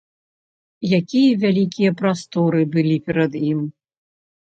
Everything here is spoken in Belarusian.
Якія вялікія прасторы былі перад ім!